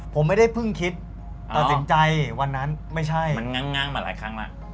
ผมไม่ได้เพิ่งคิดตัดสินใจวันนั้นไม่ใช่มันง้างมาหลายครั้งแล้ว